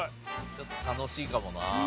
ちょっと楽しいかもな。